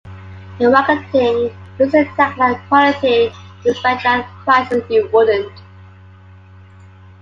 The marketing uses the tagline "quality you'd expect at prices you wouldn't".